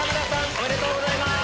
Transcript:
おめでとうございます！